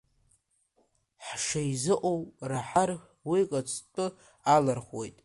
Ҳшеизыҟоу раҳар уик ацҭәы алырхуеит.